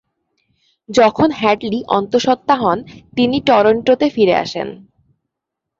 যখন হ্যাডলি অন্তঃসত্ত্বা হন, তিনি টরন্টোতে ফিরে আসেন।